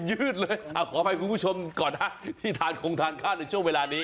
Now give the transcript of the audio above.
ยืดเลยขออภัยคุณผู้ชมก่อนนะที่ทานคงทานข้าวในช่วงเวลานี้